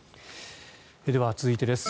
では、続いてです。